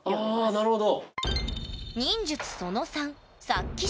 あなるほど。